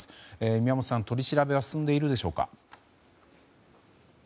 宮本さん、取り調べは進んでいるでしょうか。